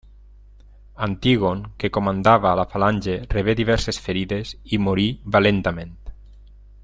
Antígon, que comandava la falange, rebé diverses ferides i morí valentament.